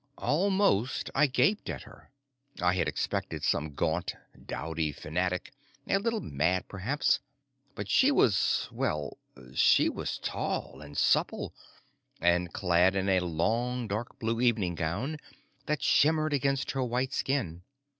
Almost, I gaped at her. I had expected some gaunt, dowdy fanatic, a little mad perhaps. But she was well, she was tall and supple and clad in a long dark blue evening gown that shimmered against her white skin.